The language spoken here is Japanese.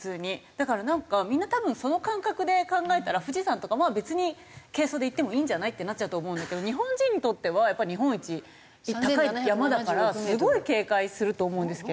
だからなんかみんな多分その感覚で考えたら富士山とか別に軽装で行ってもいいんじゃない？ってなっちゃうと思うんだけど日本人にとってはやっぱり日本一高い山だからすごい警戒すると思うんですけど。